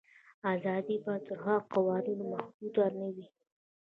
آزادي باید تر هغو قوانینو محدوده نه وي.